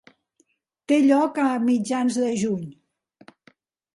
Té lloc a mitjans de juny.